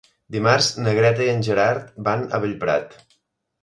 Dimarts na Greta i en Gerard van a Bellprat.